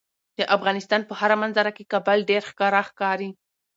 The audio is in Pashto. د افغانستان په هره منظره کې کابل ډیر ښکاره ښکاري.